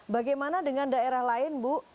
bagaimana dengan daerah lain bu